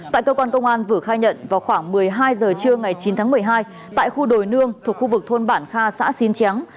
tại cơ quan công an vữa khai nhận vào khoảng một mươi hai h trưa ngày chín tháng một mươi hai tại khu đồi nương thuộc khu vực thôn bản kha xã xín tráng